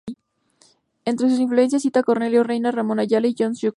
Entre sus influencias cita a Cornelio Reyna, Ramón Ayala y Johnny Cash.